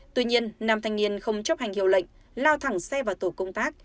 tuy nhiên nam thanh niên không chấp hành hiệu lệnh lao thẳng xe vào tổ công tác